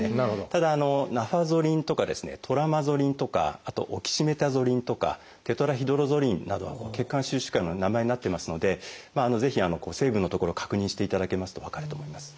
ただ「ナファゾリン」とかですね「トラマゾリン」とかあと「オキシメタゾリン」とか「テトラヒドロゾリン」など血管収縮薬の名前になってますのでぜひ成分の所確認していただけますと分かると思います。